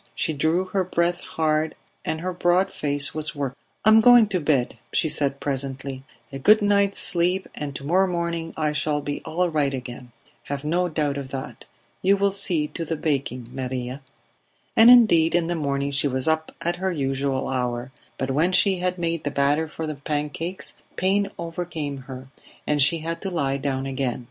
She drew her breath hard, and her broad face was working. "I am going to bed," she said presently. "A good night's sleep, and to morrow morning I shall be all right again; have no doubt of that. You will see to the baking, Maria." And indeed in the morning she was up at her usual hour, but when she had made the batter for the pancakes pain overcame her, and she had to lie down again.